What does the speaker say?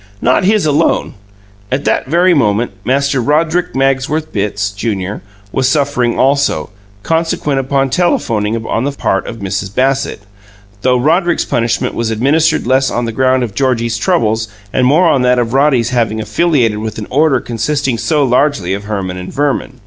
Not his alone: at that very moment Master Roderick Magsworth Bitts, Junior, was suffering also, consequent upon telephoning on the part of Mrs. Bassett, though Roderick's punishment was administered less on the ground of Georgie's troubles and more on that of Roddy's having affiliated with an order consisting so largely of Herman and Verman.